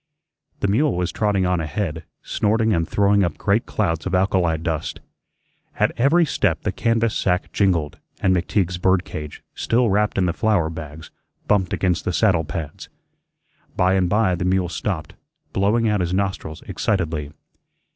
The mule was trotting on ahead, snorting and throwing up great clouds of alkali dust. At every step the canvas sack jingled, and McTeague's bird cage, still wrapped in the flour bags, bumped against the saddlepads. By and by the mule stopped, blowing out his nostrils excitedly.